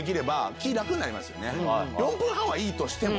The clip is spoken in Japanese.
４分半はいいとしても。